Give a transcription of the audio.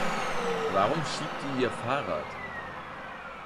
Warum schiebt die ihr Fahrrad?